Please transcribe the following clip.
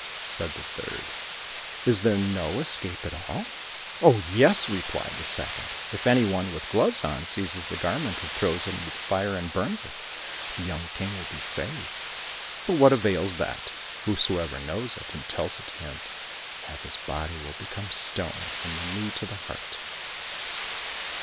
Said the third, "Is there no escape at all?" "Oh, yes," replied the second, "if any one with gloves on seizes the garment and throws it into the fire and burns it, the young King will be saved. "But what avails that?" "Whosoever knows it and tells it to him, half his body will become stone from the knee to the heart."